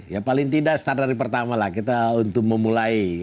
ya paling tidak standar pertama lah kita untuk memulai